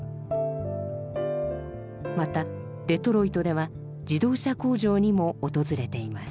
またデトロイトでは自動車工場にも訪れています。